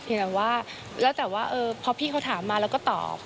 แต่ว่าแล้วแต่ว่าพอพี่เขาถามมาแล้วก็ตอบ